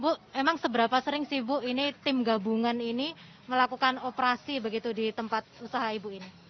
bu emang seberapa sering sih bu ini tim gabungan ini melakukan operasi begitu di tempat usaha ibu ini